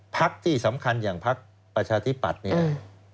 พักที่สำคัญอย่างพักประชาธิปัตย์เนี่ย